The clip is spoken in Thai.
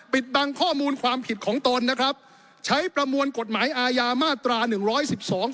ปิดบังข้อมูลความผิดของตนนะครับใช้ประมวลกฎหมายอาญามาตราหนึ่งร้อยสิบสอง